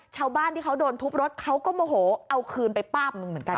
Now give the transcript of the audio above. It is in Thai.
ชาวบ้านที่เขาโดนทุบรถเขาก็โมโหเอาคืนไปป้าบหนึ่งเหมือนกัน